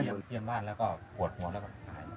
เยี่ยมบ้านแล้วก็ปวดหัวแล้วก็หาย